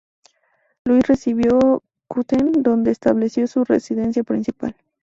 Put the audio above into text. Luis recibió Köthen, donde estableció su residencia principal.